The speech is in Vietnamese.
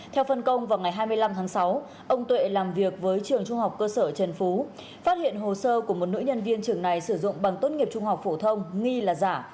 theo phân công vào ngày hai mươi năm tháng sáu ông tuệ làm việc với trường trung học cơ sở trần phú phát hiện hồ sơ của một nữ nhân viên trường này sử dụng bằng tốt nghiệp trung học phổ thông nghi là giả